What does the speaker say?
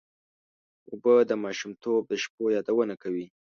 اوبه د ماشومتوب د شپو یادونه کوي.